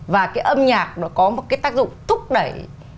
và cái âm nhạc nó có một cái tác dụng thúc đẩy